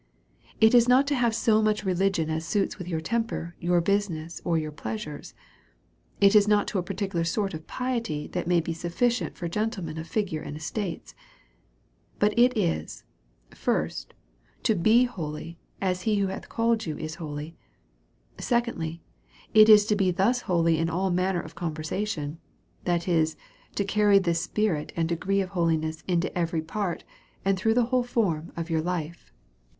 It is not to have so much religion as suits witii your temper, your business, or your p}eus'i:ires ; it is not to a particular sort of piety tluit may be sufficient for gentlemen of figure and cstateV ; but it is, first, to ire holy, as lie which hath called you is 'holy ; secondly, hi js to be thus holy in all manner of conversation ; that %', 'tqcafry this spirit and degree of boliness into every p£irt/ari(l through the whole form of yottr life. DEVOUT AND HOLY LIFE.